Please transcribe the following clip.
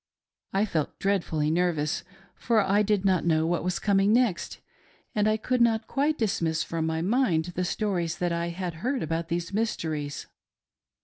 I felt dreadfully nervous, for I did not know what was coming next, and I could not quite dismiss from my mind the stories that I had heard about these mysteries.